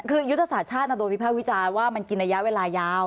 คือยุทธศาสตร์ชาติโดนวิภาควิจารณ์ว่ามันกินระยะเวลายาว